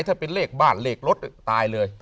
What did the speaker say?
ถ้าเป็นเลขบ้านเลขรถตายเลย